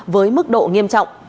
với mức độ nghiêm trọng